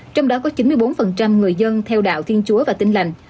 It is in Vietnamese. trong đó có chín mươi bốn người dân theo đạo thiên chúa và tin lành